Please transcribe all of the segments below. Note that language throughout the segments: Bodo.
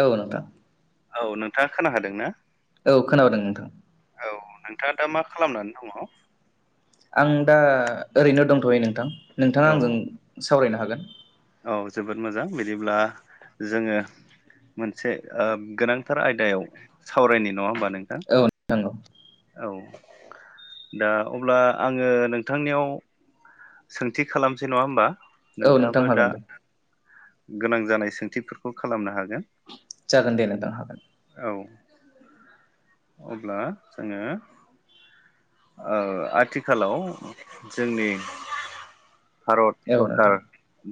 औ नोंथां। औ नोंथाङा खोनाखादों ना? औ खोनादों नोंथां औ नोंथाङा दा मा खालामनानै दङ? आं दा ओरैनो दंथ'यो नोंथां नोंथाङा आंजों सावरायनो हागोन। औ जोबोद मोजां बिदिब्ला जोङो मोनसे ओ गोनांथार आयदायाव सावरायनि नङा होमबा नोंथां औ नोंथां औ औ दा अब्ला आङो नोंथांनियाव सोंथि खालामसै नङा होमबा? औ नोंथां नोंथाङाबो दा हागोन दे। गोनां जानाय सोंथिफोरखौ खालामनो हागोन। जागोन दे नोंथां हागोन। औ अब्ला जोङो ओ आथिखालाव जोंनि भारत औ सरखार नोंथां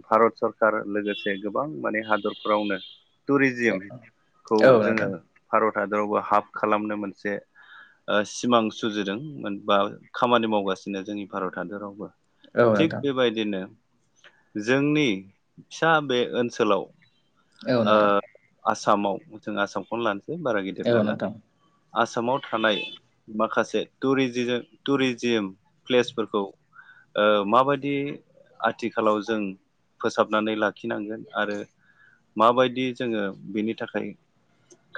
भारत सरखार लोगोसे गोबां माने हादरफोरावनो औ नोंथां टुरिजिमखौ औ जोङो नोंथां भारत हादरावबो हाफ खालामनो मोनसे ओ सिमां सुजुदों। ओनबा खामानि मावगासिनो जोंनि भारत हादरावबो औ थिग नोंथां बेबायदिनो जोंनि फिसा बे ओनसोलाव औ ओ नोंथां आसामाव जों आसामखौनो लानो बारा गिदिर औ लाला नोंथां आसामाव थानाय माखासे टुरिजि टुरिजिम प्लेसफोरखौ ओ माबायदि आथिखालाव जों फोसाबनानै लाखिनांगोन आरो माबायदि जोङो बेनि थाखाय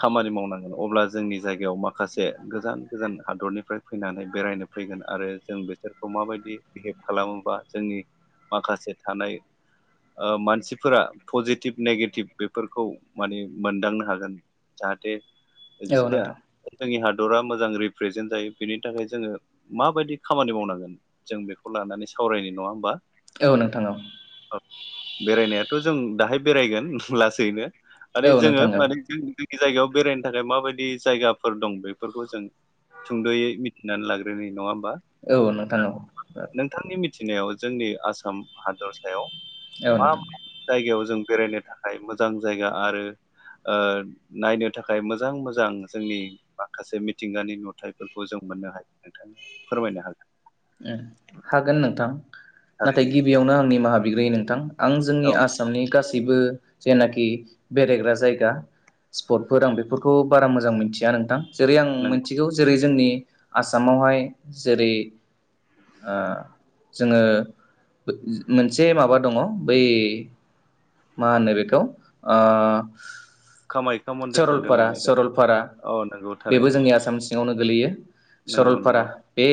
खामानि मावनांगोन अब्ला जोंनि जायगायाव माखासे गोजान गोजान हादरनिफ्राय फैनानै बेरायनाय फैगोन आरो जों बिसोरखौ माबायदि बिहेभ खालामोबा जोंनि माखासे थानाय ओ मानसिफोरा पजिटिभ नेगेटिभ बेफोरखौ माने मोनदांनो हागोन जाहाथे औ नोंथां जोंनि ह हादरा मोजां रिप्रेजेन्ट जायो बेनि थाखाय जोङो माबायदि खामानि मावनांगोन जों बेखौ लानानै सान सावरायनो नङा होमबा? औ नोंथां औ थ'जों दाहाय बेरायगोन लासैनो औ माने जोङो माने जायगायाव बेरायनो थाखाय माबायदि जायगाफोर दं बेफोरखौ जों सुंद'यै मिथिनानै लाग्रोनि नङा होमबा? औ नोंथां औ। नोंथांनि मिथिनायाव जोंनि आसाम हादर सायाव औ मा नोंथां मा जायगायाव जों बेरायनो था खाय मोजां जायगा आरो ओ नायनो थाखाय मोजां मोजां जोंनि माखासे मिथिंगानि नुथायफोरखौ जों मोननो हायो नोंथां फोरमायनो हागोन। उम हागोन नोंथां नाथाय थारैनो गिबियावनो आं निमाहा बिग्रोयो नोंथां। आं जोंनि औ आसामनि गासैबो जेनाखि बेरायग्रा जायगा स्पटफोर आं बेफोरखौ बारा मोजां मिथिया नोंथां जेरै आं नंगौ मिथिगौ जेरै जोंनि आसामावहाय जेरै ओ जोङो मोनसे माबा दङ बै मा होनो बेखौ ओ कामाख्या मन्दिरखौ होनदों सरलपारा नामा नोंथां सरलपारा औ नंगौ बेबो थारैनो जोंनि आसाम सिङावनो गोलैयो नंगौ सरलपारा नंगौ बे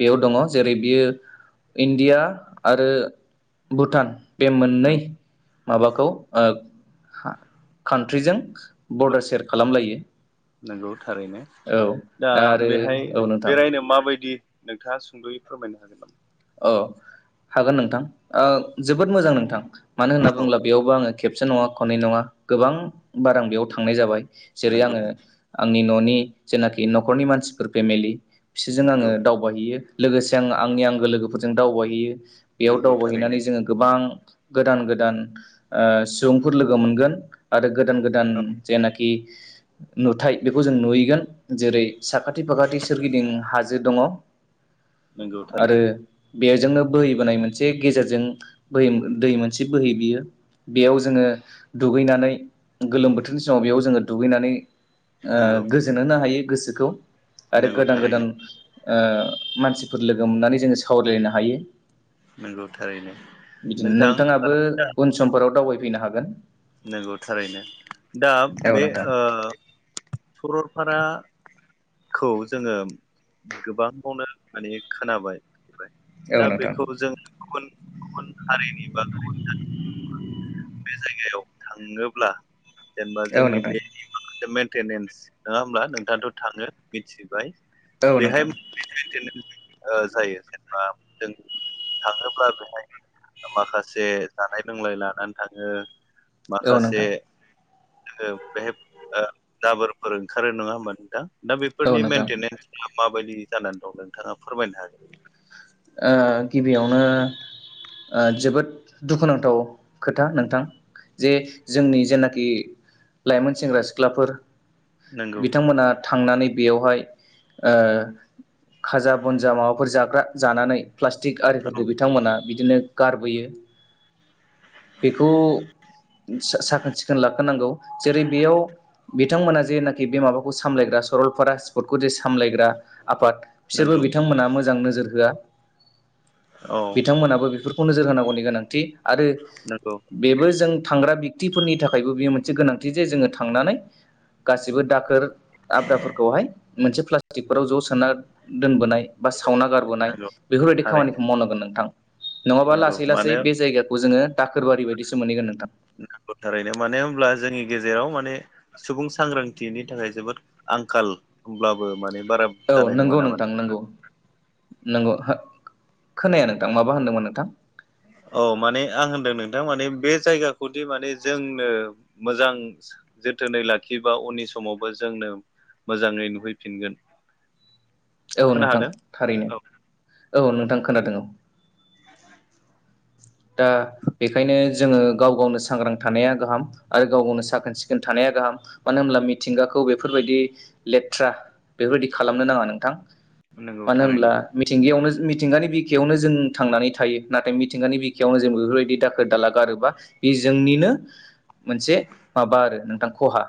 बेयाव दङ जेरै बियो इण्डिया आरो भुटान बे मोननै नों माबाखौ ओ कान्ट्रिजों बरडार सेयार खालामलायो। नंगौ थारैनो औ दा आरो बेहाय औ नोंथां बेरायनो माबायदि नोंथाङा सुंदयै फोरमायनो हागोन नामा? अ हागोन नोंथां ओ जोबोद मोजां नोंथां मानो होनना औ बुङोब्ला बेयावबो आङो खेबसे नङा खननै नङा गोबां बार आं बेयाव थांनाय जाबाय जेरै नंगौ आङो आंनि न'नि जेनाखि न'खरनि मानसिफोर फेमिलि बिसोरजों आङो नंगौ दावबायहैयो। लोगोसे आं आंनि आंगो लोगोफोरजों दावबायहैयो बेयाव नंगौ थारैनो दावबायहैनानै जोङो गोबां गोदान गोदान ओ सुबुंफोर लोगो मोनगोन आरो गोदान गोदान औ जेनाखि नुथाय बेखौ जों नुहैगोन जेरै साखाथि फाखाथि सोरगिदिं हाजो दङ। नोंगौ आरो थारैनो बेजोंनो बोहैबोनाय मोनसे गेजेरजों बोहै दै मोनसे बोहै बियो बेयाव जोङो दुगैनानै गोलोम बोथोरनि समाव बेयाव जोङो दुगैनानै ओ नंगौ गोजोन होनो हायो गोसोखौ आरो नंगौ गोदान थारैनो गोदान ओ मानसि फोर लोगो मोननानै जोङो सावरायलायनो हायो नंगौ थारैनो [inaudible] बिदिनो नोंथां नोंथाङाबो दा उन समफोराव दावबायफैनो हागोन। नंगौ थारैनो दा औ बे नोंथां ओ सरलफारा खौ जोङो गोबाङावनो माने खोनाबाय बाय औ दा नोंथां बेखौ जों गुबुन गुबुन हारिनि बा गुबुन जाथिनि बे जायगायाव थाङोब्ला जेनेबा औ जोंनि नोंथां बे माखासे मेनटेनेन्स नङा होमब्ला नोंथाङाथ' थाङो मिथि औ बेहाय नोंथां ओ जायो जेनेबा जों थाङोब्ला बेहाय माखासे जानाय लोंनाय लानानै थाङो औ माखासे नोंथां बेहाय ओ जाबोरफोर ओंखारो नङा होमबा नोंथां दा औ बेफोरनि नोंथां मेनटेनेन्स माबायदि जानानै दं नोंथाङा फोरमायनो हागोन ओ गिबियावनो ओ जोबोद दुखुनांथाव खोथा नोंथां जे जोंनि जेनाखि लाइमोन सेंग्रा सिख्लाफोर नंगौ बिथांमोना थांनानै बेयावहाय ओ खाजा बनजा माबाफोर जाग्रा जानानै प्लास्टिक औ आरिफोरखौ बिथांमोना बिदिनो गारबोयो बेखौ साखोन सिखोन लाखोनांगौ जेरै बेयाव बिथांमोना जेनाखि बे माबाखौ सामलायग्रा सरलपारा स्पर्टखौ जे सामलायग्रा आफाद बिसोरबो नंगौ बिथांमोना मोजां नोजोर होआ औ बिथांमोनाबो बेफोर खौ नोजोर होनांगौनि गोनांथि आरो नंगौ बेबो जों थांग्रा थिफोरनि थाखायबो बियो मोनसे गोनांथि जे जोङो थांनानै गासिबो दाखोर आब्राफोरखौहाय मोनसे प्लास्टिकफोराव ज' सोना दोनबोनाय बा सावना गार नाय नंगौ बेफोरबाय खामानिखौ थारैनो मावनांगोन नोंथां नङाबा नंगौ लासै लासै मानो बे जायगाखौ जोङो दाखोर बारि बदि सो मोनहैगोन नोंथां [inaudible] थारैनो मानो होनब्ला जोंनि गेजेराव माने सुबुं सांग्रांथिनि थाखाय जोबोद आंखाल होमब्लाबो माने बारा औ जानाय नङा नंगौ नामा नोंथां नंगौ नंगौ खोनाया नोंथां माबा होनदोंमोन नोंथां? औ माने आं होनदों नोंथां माने बे जायगाखौदि माने जोंनो मोजां। जोथोनै लाखियोबा उननि समावबो जोंनो मोजाङै नुहैफिनगोन। औ खोना नोंथां हादों थारैनो औ औ नोंथां खोनादों औ। [unintelligible] दा बेखायनो जोङो गाव गावनो सांग्रां थानाया गाहाम आरो गाव गावनो साखोन सिखोन थानाया गाहाम मानो होनब्ला मिथिंगाखौ बेफोरबायदि लेथ्रा बेफोरबायदि खालामनो नाङा नोंथां। नंगौ मानो थारैनो होनब्ला मिथिंगायावनो मिथिंगानि बिखायावनो जों थांनानै थायो नाथाय मिथिंगानि बिख बिखनो जों बेफोरबायदि दाखोर दाला गारोबा बे जोंनिनो मोनसे माबा आरो नोंथां खहा।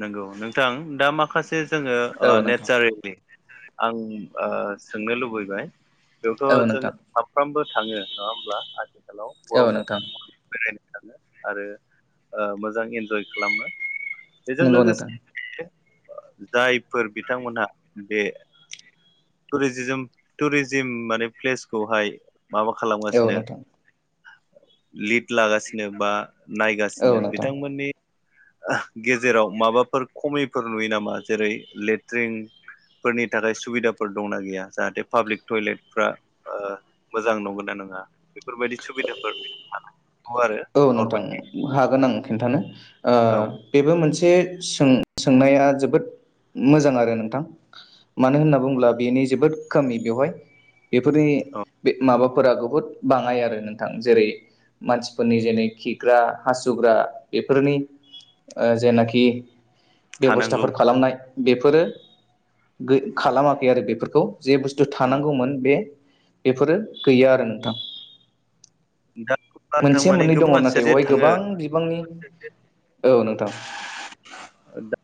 नंगौ नोंथां दा माखासे जोङो औ नोंथां नेचारेलि आं ओ सोंनो लुबैबाय औ बेयावथ' नोंथां जोङो साफ्रोमबो थाङो नङा होमब्ला आथिखालाव औ गरम नोंथां बोथोर बेरायनो स आरो मोजां इन्जय खालामो बेजों नंगौ नोंथां लोगोसे जायफोर बिथांमोनहा बे टुरि टुरिजिम माने प्लेसखौहाय माबा औ खालामगासिनो नोंथां लिड लागासिनो बा औ नायगासिनो नोंथां बिथांमोननि गेजेराव माबाफोर खमिफोर नुयो नामा जेरै लेट्रिं फोरनि थाखाय सुबिदाफोर दंना गैया जाहाथे पाब्लिक टयलेटफ्रा मोजां नंगौ न नङा बेफोरबायदि सुबिदाफोर थानाय औ नोंथां हागोन आं खिन्थानो ओ औ बेबो मोनसे बे से। [unintelligible] बेफोरनि औ बे माबाफोरा बहुद बाङाय आरो नोंथां जेरै फोरनि जेनै खिग्रा हासुग्रा बेफोरनि जेनाखि थानांगौ बेबस्थाफोर खालामनाय बेफोरो जे बुस्थु औ थानांगौमोन बे बेफोरो। दा। नोंथां मोनसे माने मोननै दङ गोबां मानसिया नाथाय जे अहाय थाङो गोबां बिबांनि औ नोंथां। दा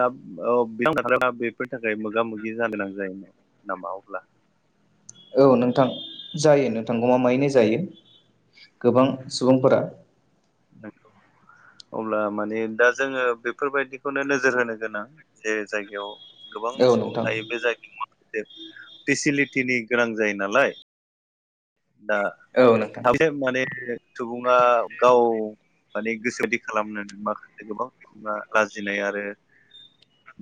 दा औ बेा बेफोर थाखाय मोगा मोगि जानो गोनां जायोना नामा अब्ला [inaudible] औ नोंथां जायो नोंथां गमा मायैनो जायो गोबां सुबुंफोरा द अब्ला माने दा जोङो बेफोरबायदिखौनो नोजोर होनो गोनां जे जायगायाव गोबां औ सुबुं नोंथां थायो बे जायगायाव फेसिलिटिनि गोनां जायो नालाय दा औ नोंथां साबसे माने सुबुङा गाव माने गोसो बदि खालामनो माखासे गोबां लाजिनाय आरो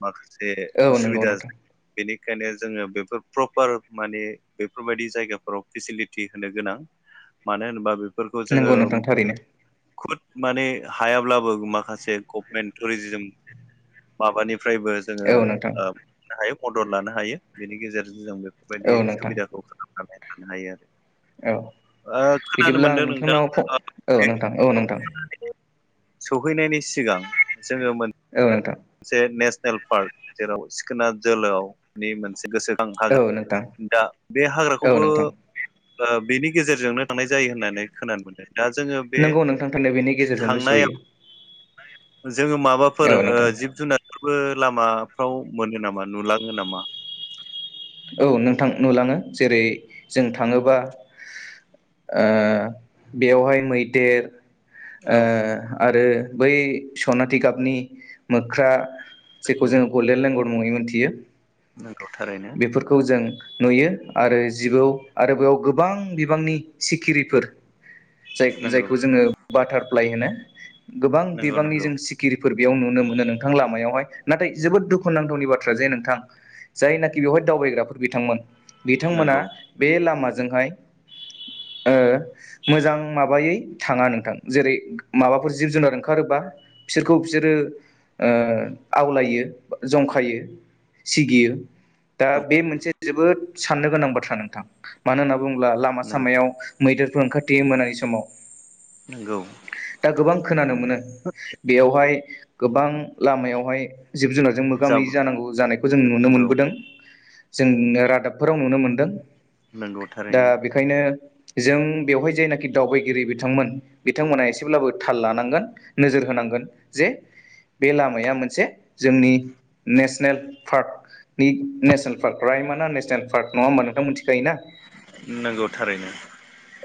माखासे से औ नंगौ असुबिदा नोंथां बेनि बेखायनो जोङो बेफोर प्रपार माने बेफोरबायदि जायगाफोराव फेसिलिटि नंगौ नोंथां [unintelligible] थारैनो खुद माने हायाब्लाबो माखासे गभमेन्ट टुरिजोम माबानि निफ्रायबो जोङो औ नोंथां ह मदद लानो हायो बेनि गेजेरजों जों बे औ बेफोरबायदि नोंथां सुबिदाखौ खालामनानै थानो हायो आरो औ खोनानो बिदिब्ला आं मोनदों नोंथां नोंथांनाव औ नोंथां औ नोंथां सहैनायनि सिगां जोङो औ नोंथां। नेल पार्क जेराव सिखोना जोहोलाउनि मोनसे गोसो खां औ हाग्रा नोंथां दा बे औ हाग्राखौबो नोंथां ओ बेनि गेजेरजोंनो थांनाय जायो होननानै खोनानो मोनदों। दा जोङो बे नंगौ नोंथां थारैनो बेनि गेजेरजोंनो सहैयो थांनायाव जोङो माबाफोर औ ओ नोंथां जिब जुनारफोर बो लामाफ्राव मोनो नामा नुलाङो नामा? औ नोंथां नुलाङो जेरै जों थाङोबा ओ बेवहाय मैदेर औ ओ आरो बै सनाथि गाबनि मोख्रा जेखौ नंगौ जोङो गलडेण लेंगर मुङै मिथियो। नंगौ थारैनो बेफोरखौ जों नुयो आरो जिबौ आरो बेयाव गोबां बिबांनि सिखिरिफोर नंगौ जाय-जायखौ जोङो बाटारफ्लाइ होनो गोबां नंगौ बिबांनि नंगौ जों सिकिरि फोर बेयाव नुनो मोनो नोंथां लामायावहाय नाथाय जोबोद दुखुुनांथावनि बाथ्रा जे नोंथां जायना खि बेवहाय दावबायग्राफोर बिथांमोन बिथांमोना नंगौ बे लामाजोंहाय ओ मोजां माबायै थाङा नोंथां जेरै माबाफोर जिब जुनार ओंखारोबा बिसोरखौ बिसोरो ओ आवलायो, जंखायो सिगियो। दा बे मोनसे जोबोद साननो गोनां बाथ्रा नोंथां मानो होनना बुङोब्ला लामा नंगौ सामायाव मैदेरफोर ओंखारथियो मोनानि समाव नंगौ दा गोबां खोनानो मोनो बेयावहाय गोबां लामायावहाय जिब जुनारजों मोगा मोगि जाबु जानांगौ जानायखौ जों नुनो नंगौ मोनबोदों। जों रादाबफोराव नुनो मोनदों नंगौ दा थारैनो बेखायनो जों बेवहाय जायनाखि दावबायगिरि बिथांमोन बिथांमोनहा एसेब्लाबो थाल लानांगोन नोजोर होनां गोन जे बे लामाया मोनसे जोंनि नेसनेल पार्क नेसनेल पार्क राइमना नेसनेल पार्क नङा होमबा नोंथां मोनथि नंगौ थारैनो।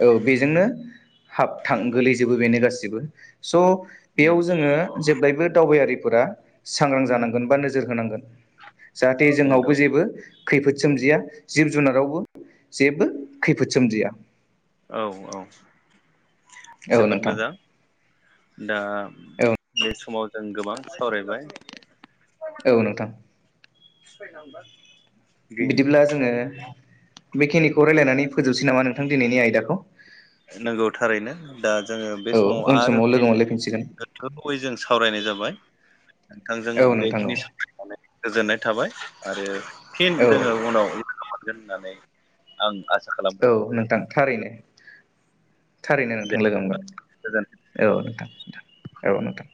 औ बेजोंनो हाब थां गोलैजोबो बेनो गासैबो। स' बेयाव जोङो जेब्लायबो दावबायारि फोरा सांग्रां जानांगोन बा नोजोर होनांगोन जाहाथे जोंनावबो नंगौ जेबो खैफोद सोमजिया जिब जुनारावबो जेबो खैफोद सोमजिया। औ औ औ जोबोद नोंथां मोजां। दा औ बे समाव जों गोबां सावरायबाय। औ नोंथां। [unintelligible] गैया बिदिब्ला जोङो बेखिनिखौ रायलायनानै फोजोबसै नामा नोंथां दिनैनि आयदाखौ? नंगौ थारैनो दा जोङो बे औ समाव उन आरो लोगो फिन मोनलायफिनसिगोन गोथौयै जों सावरायनाय जाबाय। नोंथांजों औ नोंथां औ बेखिनि सावरायनानै गोजोननाय थाबाय आरो फिन औ जोङो उनाव लागो मोनगोन होननानै आं आसा खालामबाय औ नोंथां थारैनो। थारैनो दे नोंथां लोगो मोनगोन, गोजोन औ नोंथां नोंथां। औ नोंथां।